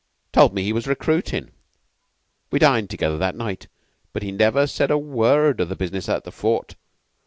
Told me he was recruitin'. We dined together that night, but he never said a word of the business at the Fort.